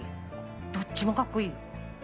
どっちもカッコいいよ。